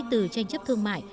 từ tranh chấp thương mại